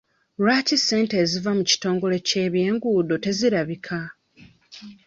Lwaki ssente eziva mu kitongole ky'ebyenguudo tezirabika?